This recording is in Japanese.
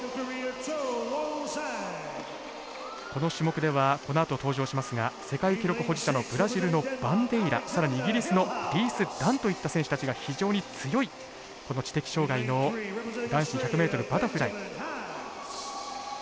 この種目ではこのあと登場しますが世界記録保持者のブラジルのバンデイラさらにイギリスのリース・ダンといった選手たちが非常に強いこの知的障がいの男子１００ｍバタフライ。